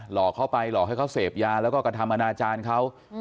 หลอกเขาไปหลอกให้เขาเสพยาแล้วก็กระทำอนาจารย์เขา